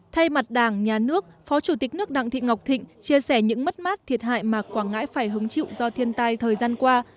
thay mặt đảng nhà nước phó chủ tịch nước đặng thị ngọc thịnh chia sẻ những mất mát thiệt hại mà quảng ngãi phải hứng chịu do thiên tai thời gian qua